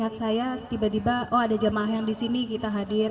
tiba tiba oh ada jemaah yang di sini kita hadir